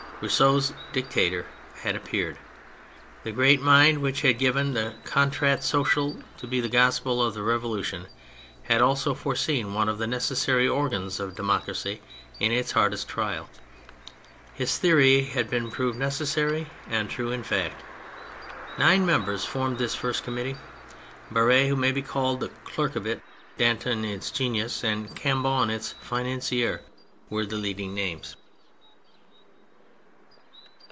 Rousseau's Dictator had appeared, the great mind which had given the Contrat Social to be the gospel of the Revolution had also foreseen one of the necessary organs of democracy in its hardest trial; his theory had been proved necessary and true in fact. Nine members formed this first Committee : Barere, who may be called the clerk of it, Danton its genius, and Cambou its financier, were the leading names.